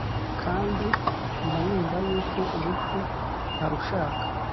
Kandi mbanumva yuko urupfu ntarushaka